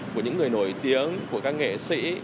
của những người nổi tiếng của các nghệ sĩ